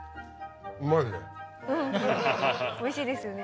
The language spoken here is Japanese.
うんおいしいですよね。